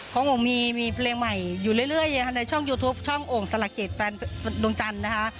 ของผมมีเพลงใหม่อยู่เรื่อยในช่องยูทูปช่องโอ่งสลักเกตแฟนดวงจันทร์นะคะ